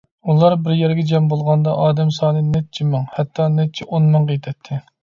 ئۇلار بىر يەرگە جەم بولغاندا، ئادەم سانى نەچچە مىڭ، ھەتتا نەچچە ئون مىڭغا يېتەتتى.